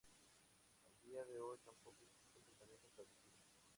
A día de hoy, tampoco existe un tratamiento establecido.